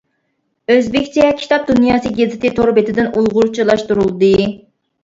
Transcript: ئۆزبېكچە «كىتاب دۇنياسى» گېزىتى تور بېتىدىن ئۇيغۇرچىلاشتۇرۇلدى.